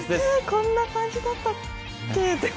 こんな感じだったけ。